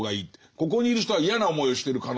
ここにいる人は嫌な思いをしてる可能性がある。